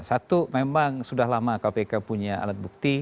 satu memang sudah lama kpk punya alat bukti